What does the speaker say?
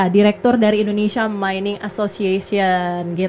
direktur dari indonesia mining association